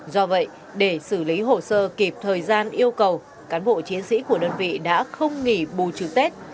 do vậy để xử lý hồ sơ kịp thời gian yêu cầu cán bộ chiến sĩ của đơn vị đã không nghỉ bù trừ tết